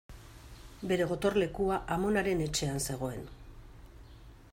Bere gotorlekua amonaren etxean zegoen.